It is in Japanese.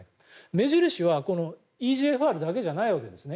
目印はＥＧＦＲだけじゃないわけですね。